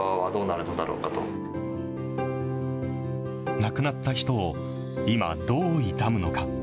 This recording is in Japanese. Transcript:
亡くなった人を今、どう悼むのか。